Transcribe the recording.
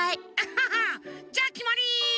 ハハハ！じゃあきまり！